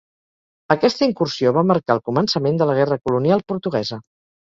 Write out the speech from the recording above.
Aquesta incursió va marcar el començament de la Guerra colonial portuguesa.